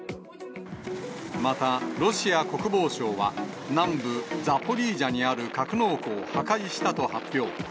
また、ロシア国防省は、南部ザポリージャにある格納庫を破壊したと発表。